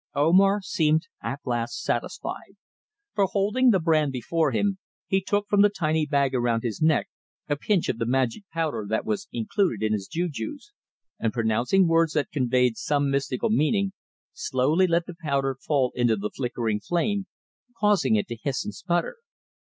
Omar seemed at last satisfied, for, holding the brand before him, he took from the tiny bag around his neck a pinch of the magic powder that was included in his jujus, and pronouncing words that conveyed some mystical meaning, slowly let the powder fall into the flickering flame, causing it to hiss and splutter.